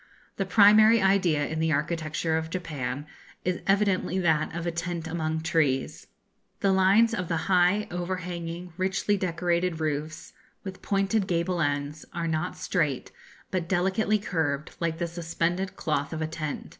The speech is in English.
The primary idea in the architecture of Japan is evidently that of a tent among trees. The lines of the high, overhanging, richly decorated roofs, with pointed gable ends, are not straight, but delicately curved, like the suspended cloth of a tent.